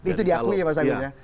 itu diakui ya mas agung ya